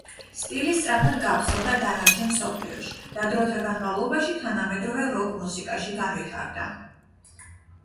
სტილი სწრაფად გავრცელდა დანარჩენ მსოფლიოში და დროთა განმავლობაში თანამედროვე როკ მუსიკაში განვითარდა.